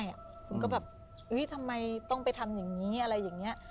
ผมก็แบบทำไมต้องไปทำอย่างนี้อะไรอย่างนี้